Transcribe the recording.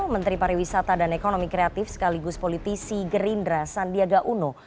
menteri pariwisata dan ekonomi kreatif sekaligus politisi gerindra sandiaga uno